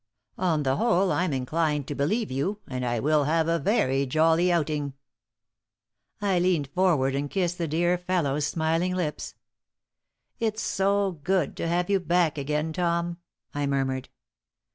On the whole, I'm inclined to believe you and I will have a very jolly outing." I leaned forward and kissed the dear fellow's smiling lips. "It's so good to have you back again, Tom," I murmured.